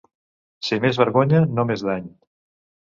Si m'és vergonya, no m'és dany.